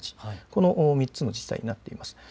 この３つの自治体になっています。